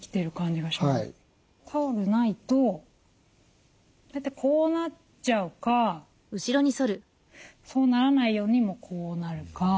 タオルないと大体こうなっちゃうかそうならないようにもうこうなるか。